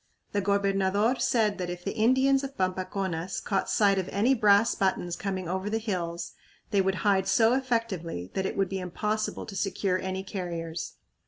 The gobernador said that if the Indians of Pampaconas caught sight of any brass buttons coming over the hills they would hide so effectively that it would be impossible to secure any carriers.